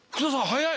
早い。